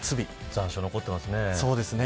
残暑、残っていますね。